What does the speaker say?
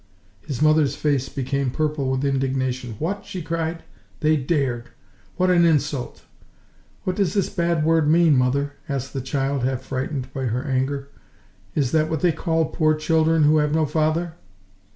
His mother's face became purple with indignation. "What!" she cried, "they dared! ... What an insult!" "What does this bad word mean, mother?" asked the child, half frightened by her anger. "Is that what they call poor children who have no father?"